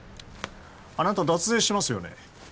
あなた脱税してますよね？